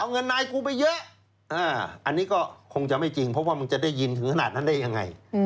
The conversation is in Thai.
เอาเงินนายกูไปเยอะอันนี้ก็คงจะไม่จริงเพราะว่ามึงจะได้ยินถึงขนาดนั้นได้ยังไง